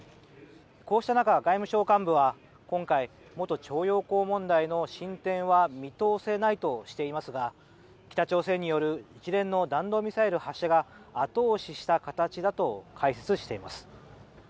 こうした中、外務省幹部は今回、元徴用工問題の進展は見通せないとしていますが北朝鮮による一連の弾道ミサイル発射が後押しした形だと解説しています。